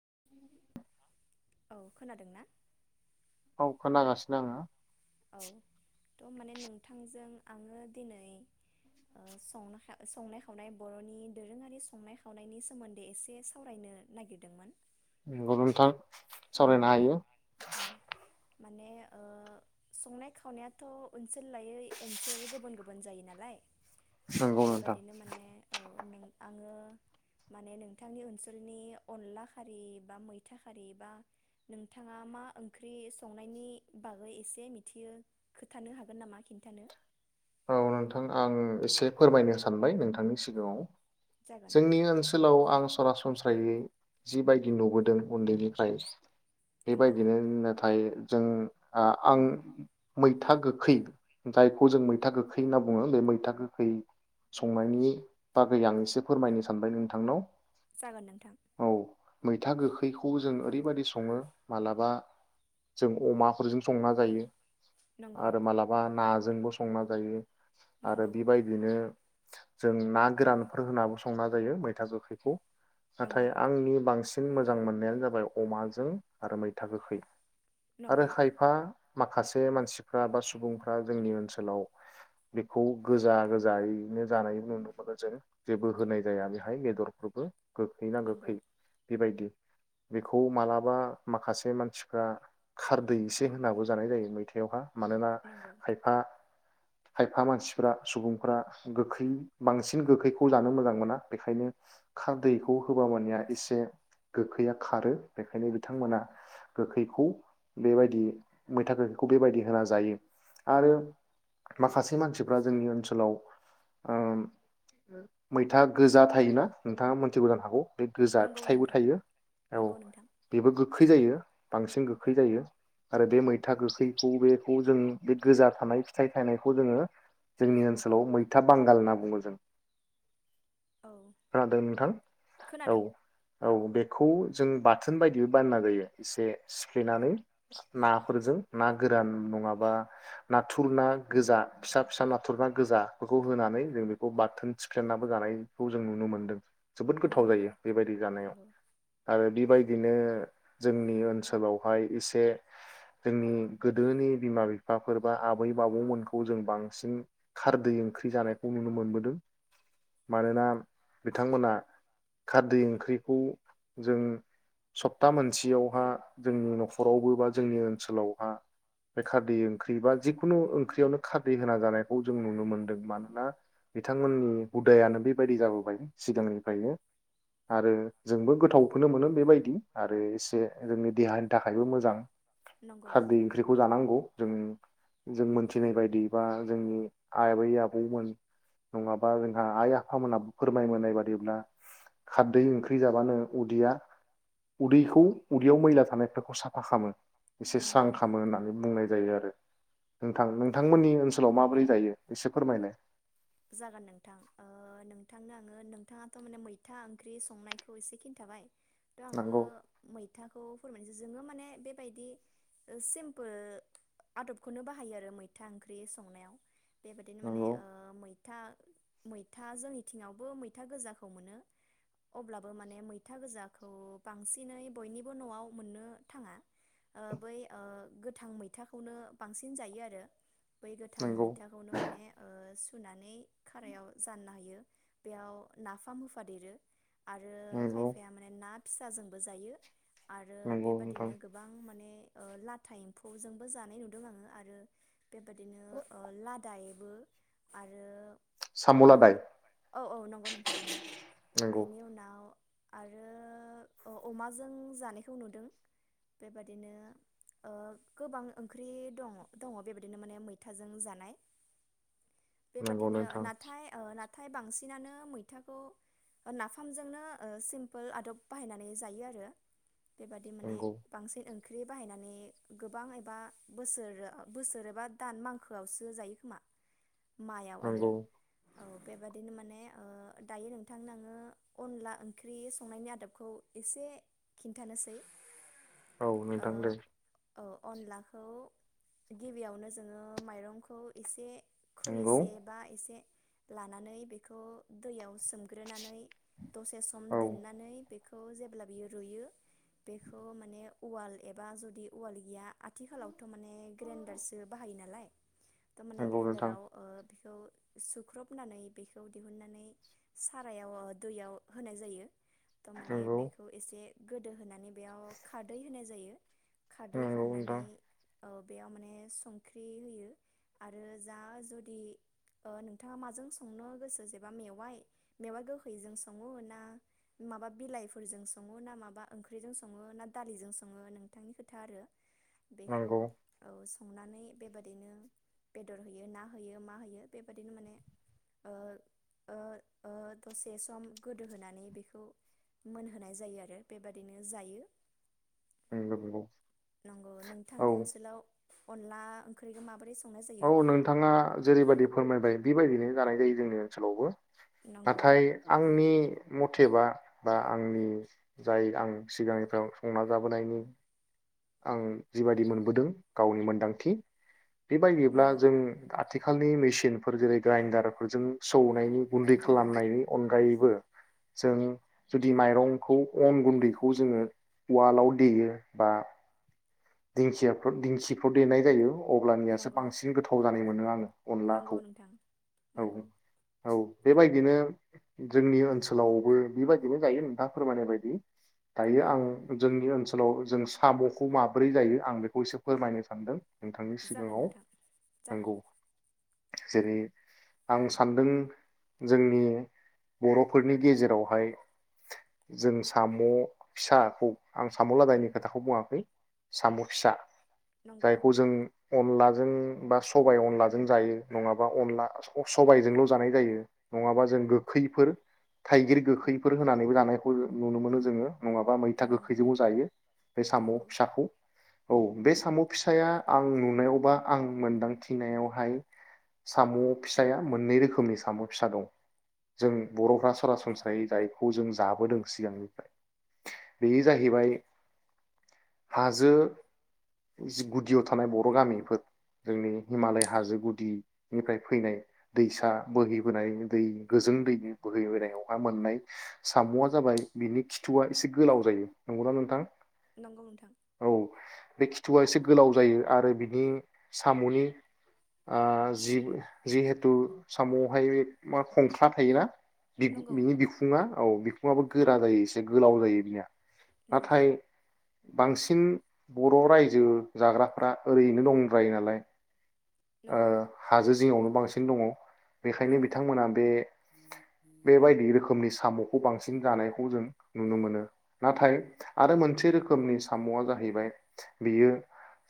[inaudible] औ खोनादों ना औ खोनागासिनो आङो औ थ' माने नोंथांजों आङो दिनै ओ सं संनाय खावनाय बर'नि दोरोङारि संनाय खावनायनि सोमोन्दै एसे सावरायनो नागिरदोंमोन नंगौ नोंथां नंगौ सावरायनो हायो औ माने ओ संनाय खावनायाथ' ओनसोल लायै ओनसोल गुबुन गुबुन जायो नालाय थ' नंगौ नोंथां बेबादिनो माने औ नों आङो माने नोंथांनि ओनसोलनि अनला खारि बा मैथा खारि बा नोंथाङा मा ओंख्रि संनायनि बागै एसे मिथियो खोथानो हागोन नामा खिन्थानो औ नोंथां आं ओ एसे फोरमायनो सानबाय नोंथांनि सिगाङाव जागोन जोंनि ओनसोलाव आं सरासनस्रायै जिबायदि नुबोदों उन्दैनिफ्राय नंगौ बेबायदिनो नाथाय नाथाय जों आं आं मैथा गोखै जायखौ जों मै मैथा गोखै होनना बुङो बे मैथा गोखै संनायनि बागै आं एसे फोरमायनो सानबाय नोंथांनाव जागोन नोंथां औ मैथा गोखैखौ जों ओरैबायाददि सङो मालाबा जों अमाफोरजों संना जायो नंगौ आरो मालाबा ना जों संना जायो आरो नंगौ बेबायदिनो जों ना गोरानफोर होनाबो संना जायो मैथा गोखैखौ नंगौ नाथाय आंनि बांसिन बांसिन मोजां मोननायानो जाबाय अमाजों आरो मैथा गोखै आरो नंगौ खायफा माखासे मानसिफ्रा बा सुबुंफ्रा जोंनि ओनसोलाव ओनसोलाव बेखौ गोजा गोजायैनो जानाय नुनो मोनो जों जेबो होनाय जाया बेहाय बेदरफोरबो गोखै ना नंगौ गोखै बेबायदि बेखौ मालाबा माखासे मानसिफ्रा खारदै एसे होनांगौ जानाय जायो मैथायावहा मानोना नंगौ खायफा खायफा मानसिफ्रा सुबुंफ्रा गोखै बांसिन गोखैखौ जानो मोजां मोना बेखायनो खारदैखौ होबा माने एसे गोखैया खारो बेखायनो बिथांमोना गोखैखौ बेबायदि मैथा गोखैखौ बेबायदि होना जायो आरो माखासे मानसिफ्रा जोंनि ओनसोलाव ओ मैथा गोजा थायोना नोंथाङा मोनथिबो जानो हागौ बे गोजा नंगौ फिथाइबो नोंथां थायो औ नंगौ नोंथां बेबो गोखै जायो बांसिन गोखै जायो आरो बे मैथा गोखैखौ बेखौ जों बे गोजा थानाय फिथाय थायनायखौ जोङो जोंनि ओनसोलाव मैथा बांगाल होनना बुङो जों औ खोनादों नोंथां औ खोनादों औ बेखौ जों बाथोन बायदि बानायना जायो एसे सिफ्लेनानै नाफोरजों ना गोरान नङाबा ना थुर ना गोजा फिसा फिसा नाथुरना गोजा बेखौ होनानै जों बेखौ बाथोन सिफ्लेनाबो जानायखौ जों नुनो मोनदों जोबोद गोथाव नंगौ जायो बेबायदि जानायाव नंगौ आरो बेबायदिनो जोंनि ओनसोलावहाय इसे जोंनि गोदोनि बिमा बिफाफोरबा आबै आबौमोनखौ जों बांसिन खारदै ओंख्रि जानायखौ नुनो मोनबोदों मानोना बिथांमोना खारदै ओंख्रिखौ जों सप्ता मोनसेयावहा जोंनि न'खरावबो बा जोंनि ओनसोलावहा बे खारदै ओंख्रि बा जिखुनु ओंख्रियावनो खारदै होना जानायखौ जों नुनो मोनदों मानोना बिथांमोननि हुदायानो बेबायदि जाबोबाय सिगांनिफ्रायनो आरो जोंबो गोथावखौनो मोनो बेबायदि आरो एसे जोंनि देहानि थाखायबो मोजां खारदै ओंख्रिखौ जानांगौ जों जों मोनथिनाय बायदि बा जोंनि आबै आबौमोन नङाबा जोंहा आइ आफामोनाबो फोरमाय मोननाय बायदिब्ला खारदै ओंख्रि जाबानो उदैया उदैखौ उदैयाव मैला थानायफोरखौ साफा खालामो एसे नंगौ स्रां खामो होननानै बुंनाय जायो आरो नोंथां नोंथांमोननि ओनसोलाव माबोरै जायो एसे फोरमायलाय जागोन नोंथां ओ नोंथांनो आङो नोंथाङाथ' माने मैथा ओंख्रि संनायखौ एसे खिन्थाबाय थ' आंबो नंगौ मैथाखौ फोरमाय जोङो माने बेबायदि सिमपोल आदबखौनो बाहायो आरो मैथा ओंख्रि संनायाव बेबायदिनो माने नंगौ ओ मै मैथा मैथा जोंनिथिङावबो मैथा गोजाखौ मोनो अब्लाबो माने मैथा गोजाखौ बांसिनै बयनिबो न'आव मोननो थाङा ओ बै ओ गोथां मैथाखौनो बांसिन जायो आरो बै गोथां नंगौ मैथाखौनो माने ओ सु खारायाव जानना होयो बेयाव नाफाम होफादेरो आरो नंगौ खायफाया माने ना फिसाजोंबो जायो आरो नंगौ नोंथां बेबादिनो गोबां माने ओ लाथा एम्फौजोंबो जानाय नुदों आङो आरो बेबादिनो ओ लादाय बो आरो सामु ओ लादाय औ औ नंगौ नोंथां नंगौ बेनि उनाव आरो अ अमाजों जानायखौ नुदों बेबादिनो ओ गोबां ओंख्रि दङ दङ बेबायाददिनो माने मैथाजों जानाय नंगौ बेबादिनो नोंथां नाथाय ओ नाथाय बांसिनानो मैथाखौ नाफामजोंनो ओ सिम्पोल आदब बाहायनानै जायो आरो बेबादि माने नंगौ बांसिन ओ ओंख्रि बाहायनानै गोबां एबा बोसोर बोसोर एबा दान मांखोआवसो जायो खोमा मायाव आरो नंगौ औ बेबादिनो माने दायो नोंथांनो आङो अनला ओंख्रि संनायनि आदबखौ एसे खिन्थानोसै औ ओ नोंथां दे औ अनलाखौ गिबियावनो जोङो माइरंखौ एसे नंगौ खुरैसे बा एसे लानानै बेखौ दैयाव सोमग्रोनानै दसे सम औ दोननानै बेखौ जेब्ला बियो रुयो बेखौ माने उवाल एबा जुदि उवाल गैया आथिखालावथ' माने ग्रेन्डारसो बाहायो नालाय थ' माने नंगौ नोंथां ग्रेनदाराव बेखौ सुख्रबनानै बेखौ दिहुननानै सारायाव दैयाव होनाय जायो थ' थारमाने नंगौ बेखौ एसे गोदो होनानै बेयाव खारदै होनाय जायो खारदै नंगौ होखांनानै नोंथां औ बेयाव माने संख्रि होयो आरो जा जुद दि ओ नोंथाङा माजों संनो गोसो जेबा मेवाइ मेवाय गोखैजों सङो ना माबा बिलाइफोरजों सङो ना माबा ओंख्रिजों सङो ना दालिजों सङो नोंथांनि खोथा आरो बेखौ नंगौ संनानै बेबादिनो बेदर होयोना होयो मा होयो बेबादिनो माने ओ ओ ओ दसे सम गोदो होनानै बेखौ मोनहोनाय जायो आरो बेबायादिनो जायो नोंगौ नोंगौ नंगौ नोंथांनि ओनसोलाव अनला ओंख्रिखौ माबोरै स औ नोंथाङा जेरैबायादि फोरमायबाय बेबायदिनो जानाय जायो जोंनि ओनसोलावबो नंगौ नाथाय आंनि मथ थेबा बा आंनि जाय आं सिगांनिफ्राय संना जाबोनायनि आं जिबायदि मोनबोदों गावनि मोनदांथि बेबायदिब्ला नंगौ जों आथि खालनि मिसिन जेरै ग्राइनदार फोरजों सौनायनि गुन्दै खालामनायनि अनगायै बो जों जुदि माइरंखौ अन गुन्दैखौ जोङो उवालाव देयो बा दिंखियाफ्र दिंखिफ्राव देनाय जायो अब्लानियासो नंगौ बांसिन गोथाव जानाय मोनो आङो नंगौ अनलाखौ नोंथां औ नंगौ औ बेबाय दिनो जोंनि ओनसोलावबो बेबायदिनो जायो नोंथाङा फोरमायनाय बायदि दायो औ आं जोंनि ओनसो सोलाव जों साम'खौ माब ब्रै जायो आं इखौ एसे फोरमायनो सानदों नोंथांनि जागोन सिगाङाव नोंथां जागोन नोंगौ जेरै आं सानदों जोंनि बर'फोरनि गेजेरावहाय जों साम' फिसाखौ आं साम' लादायनि खोथाखौ बुङाखै साम' फिसा नंगौ जायखौ जों अनला जों बा सबबाय अनलाजों जायो नङाबा अनला सबायजोंल' जानाय जायो नङाबा जों गोखैफोर थाइगिर गोखैफोर होनानैबो जानायखौ नुनो मोनो जोङो नङाबा मैथा नंगौ गोखैजोंबो जायो बे साम' नंगौ फिसाखौ औ बे साम' फिसाया आं नुनायावबा आं मोनदांथिनायावहाय साम' फिसाया मोननै रोखोमनि साम' फिसा दं जों बर'फ्रा सरासनस्रायै जायखौ जों जाबोदों सिगांनिफ्राय बेयो जाहैबाय हाज जो जि गुदियाव थानाय बर' गामिफोर जोंनि हिमालय हाजो गुदिनिफ्राय फैनाय दैसा बोहैबोनाय दै गोजों दैनि बोहैबोनायावहाय मोननाय साम'आ जाबाय बिनि खिथुआ एसे गोलाव जायो नंगौना नोंथां नंगौ नोंथां औ बे खिथुआ एसे गोलाव जायो आरो बिनि साम'नि आ जि जिहेथु साम'आवहाय मा खंख्ला थायोना बि नंगौ बिनि बिखुङा औ बि फुङाबो गोरा जायो एसे गोलाव जायो बिया नंगौ नाथाय बांसिन सिन बर' रायजो जाग्राफ्रा ओरैनो दंद्रायो नालाय ओ नंगौ हाजो जिङावनो बांसिन दङ बेखायनो नंगौ बिथांमोना बे -बेबायदि रोखोमनि साम' बांसिन जानायखौ जों नुनो मोनो नाथाय आरो मोनसे रोखोमनि साम'आ जाहैबाय बेयो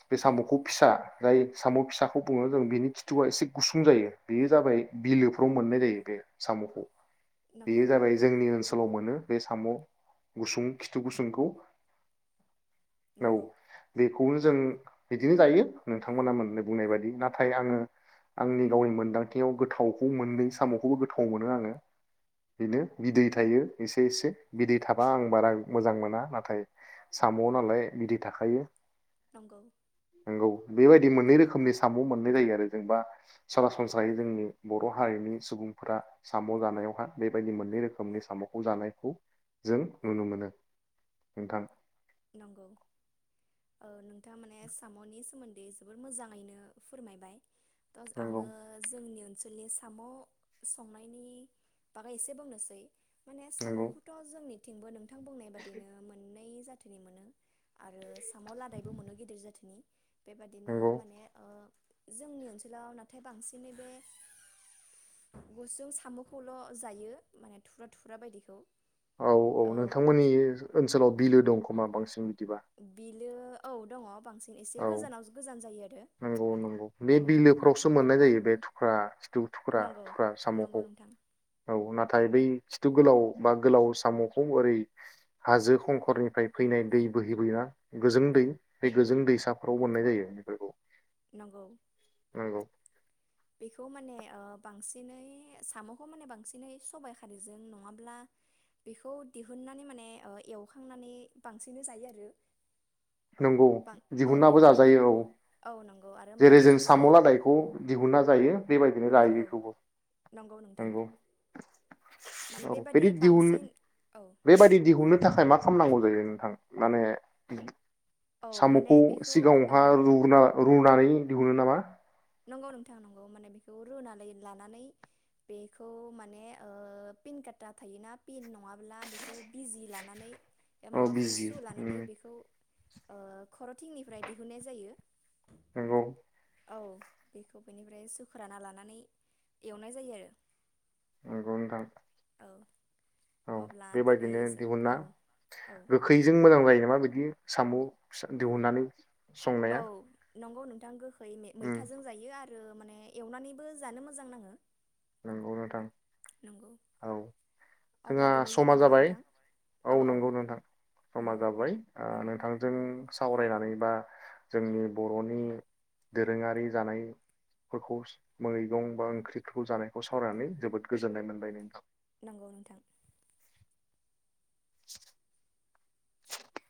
बे साम'खौ फिसा जाय साम' फिसा बे बुङनानै जों बेनि खिथुआ एसे गुसुं जायो बेयो जाबाय बिलोफ्राव मोननाय जायो बे साम'खौ बेयो नंगौ जाबाय जोंनि ओनसोलाव मोनो बे साम' गुसुं खिथु गुसुंखौ औ नंगौ बेखौनो जों बिदिनो जायो नोंथांमोना मोनै बुंनाय बायदि नाथाय आङो आंनि गावनि मोनदांथियाव गोथावखौ मोननै साम'खौबो गोथाव मोनो आङो बेनो बिदै थायो एसे एसे बिदै थाबा आं बारा मोजां मोना नाथाय साम' नालाय बिदै थाखायो नंगौ नोंगौ बेबायदि मोननै रोखोमनि साम' मोननै जायो आरो जेनबा सरासनस्रायै जोंनि बर' हारिनि सुबुंफोरा साम' जानायावहा बेबायदि मोननै रोखोमनि साम'खौ जानायखौ जों नुनो मोनो नोंथां नंगौ ओ नोंथाङा माने साम'नि सोमोन्दै जोबोर मोजाङैनो फोरमायबाय नंगौ आङो जोंनि ओनसोलनि साम' संनायनि बागै एसे बुंनोसै। माने नंगौ सामखौथ' जोंनि थंबो नों थां बुंनाय बादिनो मोन [unintelligible] जोथोनि मोनो आरो साम'लादायबो मोनो गिदिर जोथोननि बेबादिनो नंगौ माने ओ जोंनि ओनसोलाव नाथाय बांसिनै बे गुसुं साम'खौल' जायो माने थुरा थुरा बायदिखौ औ औ नोंथांमोननि ओनसोलाव बिलो दं। खमा बांसिन बिदिबा बिलो औ दङ बांसिन एसे औ गोजानावसो गोजान जायो आरो। नंगौ नंगौ बे औ बिलोफोरावसो मोननाय जायो बे फ्रा थुख्रा नंगौ थुख्रा नंगौ साम'खौ नोंथां औ ना नाथाय बै खिथु गोलाव बा गोलाव साम'खौ ओरै हाजो खंखरनिफ्राय फैनाय दै बोहैबोयोना गोजों दै बे गोजों दैसाफोराव खननाय जायो बेफोरखौ नोंगौ। नोंगौ बेखौ माने ओ बांसिनै साम'खौ माने बांसिनै सबायाइ खारैजों नङाब्ला बेखौ दिहुननानै माने एवखांनानै बांसिनै जायो आरो। नंगौ बां औ दिहुननाबो माने बे जाजायो नंगौ आरो औ जेरै जों मैथाजों साम जायो। लादायखौ दिहुनना जायो। बेबायदिनो लायो नंगौ बेखौबो नंगौ। माने औ बेबादि बिदि दिहुन बांसिन औ बेबादि दिहुननो थाखाय मा खालामनांगौ जायो नोंथां माने औ माने सामखौ बेखौ सिगाङावहा ओ रुग्रो रुनानै दिहुननो नामा? नंगौ नोंथां नंगौ माने बेखौ रुनानै लानानै बेखौ माने पिन काटा थायोना पिन नङाब्ला बेखौ बिजि लानानै ए औ माबाफोर बिजि सु लानानै नंगौ बेखौ ओ खरथिंनिफ्राय दिहुननाय जायो। नोंंगौ। औ बेखौ बेनिफ्राय सुखुराना लानानै एवनाय जायो आरो नोंगौ नोंथां। औ औ अब्ला दिनै बेबायदिनो दिहुना औ औ गोखैजों मोजां जायो नामा बिदि? साम' दिहुननानै औ संनाया नंगौ नोंथां गोखै ओमफ्राय उम मैथाजों जायो आरो आरो माने एवनानैबो जानो मोजां नाङो नंगौ नोंथां नंगौ औ अब्ला जोंहा दिनै समा नामा जाबाय नोंथां औ नंगौ नोंथां समा नंगौ जाबाय ओ औ नोंथांजों सावरायनानै बा जोंनि बर'नि दोरोङारि जानायफोरखौ मैगं बा ओंख्रिफोरखौ जानाय खौ सावरायनानै जोबोद गोजोन्नाय मोनबाय नोंथां नांगौ नोंथां [inaudible]